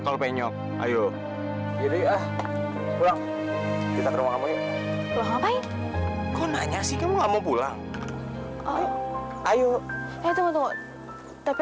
kalau penyok ayo kita ke rumah kamu ngapain kamu nanya sih kamu mau pulang ayo tunggu tunggu tapi